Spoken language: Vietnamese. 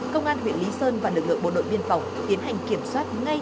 công an huyện lý sơn và lực lượng bộ đội biên phòng tiến hành kiểm soát ngay